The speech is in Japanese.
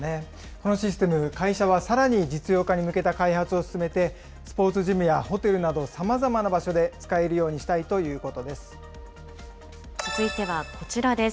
このシステム、会社はさらに実用化に向けた開発を進めて、スポーツジムやホテルなど、さまざまな場所で使えるようにしたいという続いてはこちらです。